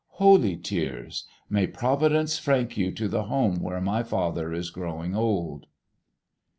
Holy tears! May Providence frank you to the home where my father is growing old!